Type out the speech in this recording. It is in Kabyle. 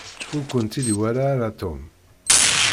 Ur kent-id-iwala ara Tom.